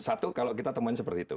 satu kalau kita temuin seperti itu